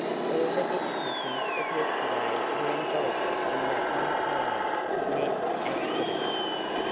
All the difficulties of yesterday were engulfed in that one sorrow Ned's accident.